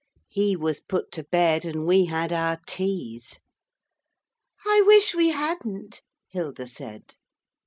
He was put to bed, and we had our teas. 'I wish we hadn't,' Hilda said.